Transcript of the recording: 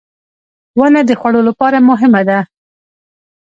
• ونه د خوړو لپاره مهمه ده.